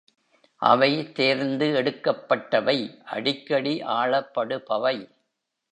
அவை தேர்ந்து எடுக்கப்பட்டவை அடிக்கடி ஆளப்படுபவை.